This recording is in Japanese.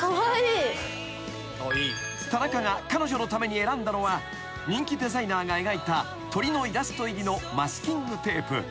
［田中が彼女のために選んだのは人気デザイナーが描いた鳥のイラスト入りのマスキングテープ］